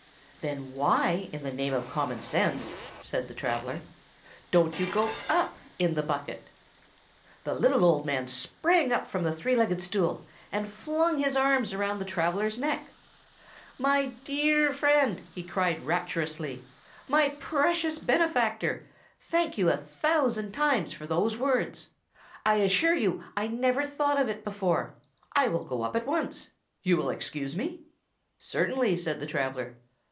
"Then why, in the name of common sense," said the traveller, "don't you go up in the bucket?" The little old man sprang up from the three legged stool, and flung his arms around the traveller's neck. "My dear friend!" he cried rapturously. "My precious benefactor! Thank you a thousand times for those words! I assure you I never thought of it before! I will go up at once. You will excuse me?" "Certainly," said the traveller.